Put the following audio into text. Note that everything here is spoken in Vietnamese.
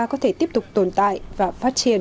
có thể tiếp tục tồn tại và phát triển